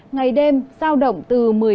ngày đêm sao động từ một mươi chín hai mươi sáu độ